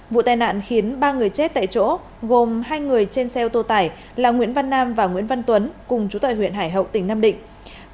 vụ tai nạn khiến ba người chết tại chỗ gồm hai người trên xe ô tô tải là nguyễn văn nam và nguyễn văn tuấn cùng chú tại huyện hải hậu tỉnh nam định